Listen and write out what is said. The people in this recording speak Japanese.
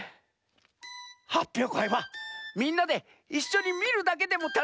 はっぴょうかいはみんなでいっしょにみるだけでもたのしいざんす。